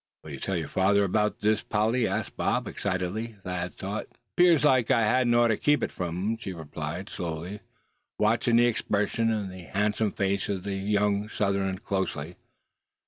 "Will you tell your father about this, Polly?" asked Bob, excitedly, Thad thought. "'Pears like I hadn't orter keep it from him," she replied, slowly, watching the expressive and handsome face of the young Southerner closely.